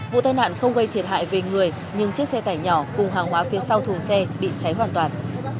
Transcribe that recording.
vụ tai nạn không gây thiệt hại về người nhưng chiếc xe tải nhỏ cùng hàng hóa phía sau thùng xe bị cháy hoàn toàn